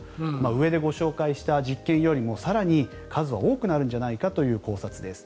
上でご紹介した実験よりも更に数は多くなるんじゃないかという考察です。